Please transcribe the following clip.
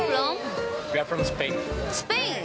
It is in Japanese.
スペイン？